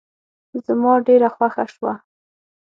زما ډېره خوښه شوه.